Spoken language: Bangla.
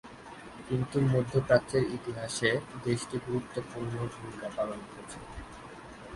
কিন্তু মধ্যপ্রাচ্যের ইতিহাসে দেশটি গুরুত্বপূর্ণ ভূমিকা পালন করেছে।